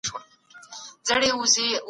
په خپلو خبرو کي به له غرور څخه ډډه کوئ.